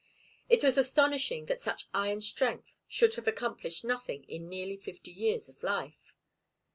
It was astonishing that such iron strength should have accomplished nothing in nearly fifty years of life.